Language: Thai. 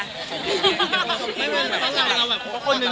คนหนึ่งไม่ชมไม่ค่อยกดลูก